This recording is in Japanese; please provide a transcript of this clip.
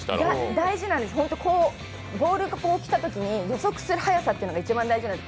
大事なんです、ボールがこう来たときに予測する速さが一番大事なんです。